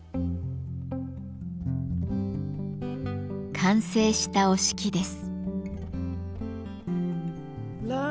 完成した折敷です。